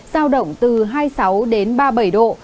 giao động từ hai mươi sáu đến ba mươi bảy độ